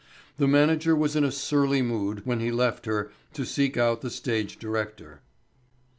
The manager was in a surly mood when he left her to seek out the stage director.